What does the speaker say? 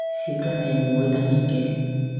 時間係唔會等人嘅